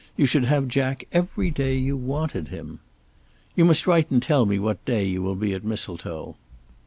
You should have Jack every day you wanted him. You must write and tell me what day you will be at Mistletoe.